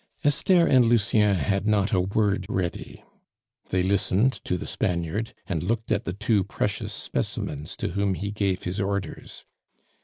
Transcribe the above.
Esther and Lucien had not a word ready. They listened to the Spaniard, and looked at the two precious specimens to whom he gave his orders.